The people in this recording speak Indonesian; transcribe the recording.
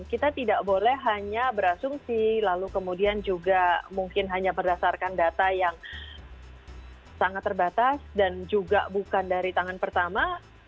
kita tidak boleh hanya berasumsi lalu kemudian juga mungkin hanya berdasarkan data yang sangat terbatas dan juga bukan dari tangan pertama